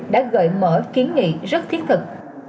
đã gợi mở kiến nghị rất thiết thực